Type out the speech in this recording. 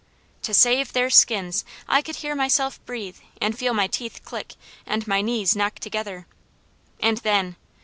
To save their skins! I could hear myself breathe, and feel my teeth click, and my knees knock together. And then!